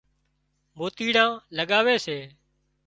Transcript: موتيڙان لڳاوي سي